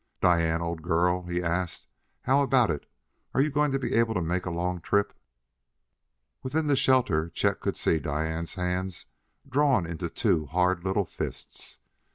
"Diane, old girl," he asked, "how about it? Are you going to be able to make a long trip?" Within the shelter Chet could see Diane's hands drawn into two hard little fists.